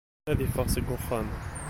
Ad iffeɣ seg uxxam.